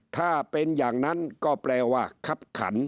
ถ้าเป็นอย่างนั้นก็แปลว่าคับขัน